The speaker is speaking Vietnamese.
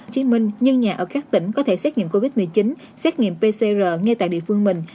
chính minh nhân nhà ở các tỉnh có thể xét nghiệm covid một mươi chín xét nghiệm pcr ngay tại địa phương mình